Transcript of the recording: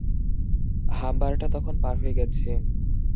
হাম্বারটা তখন পার হয়ে গেছে।